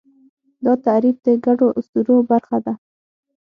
دا تعریف د ګډو اسطورو برخه ده.